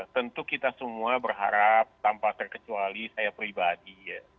tentu kita semua berharap tanpa terkecuali saya pribadi